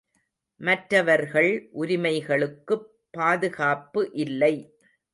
மற்றவர்கள் உரிமைகளுக்குப் பாதுகாப்பு இல்லை!